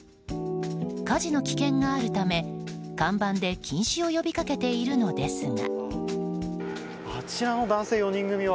火事の危険があるため、看板で禁止を呼びかけているのですが。